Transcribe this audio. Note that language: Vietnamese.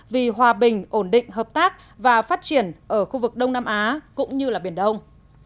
vì hòa bình ổn định hợp tác và phát triển ở khu vực đông nam á cũng như biển đông